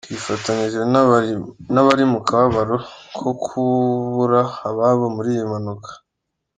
Twifatanyije n’abari mu kababaro ko kubura ababo muri iyi mpanuka.